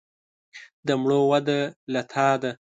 د مړو وده له تا ده.